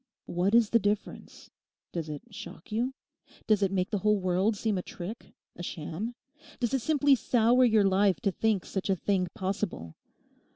What is the difference? Does it shock you? Does it make the whole world seem a trick, a sham? Does it simply sour your life to think such a thing possible?